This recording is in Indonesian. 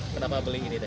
kenapa beli ini deh